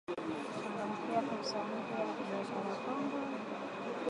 Kuchangamkia fursa mpya za kibiashara Kongo